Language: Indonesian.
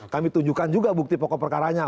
kami tunjukkan juga bukti pokok perkaranya